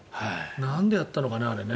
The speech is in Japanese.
なんでやったのかね、あれ。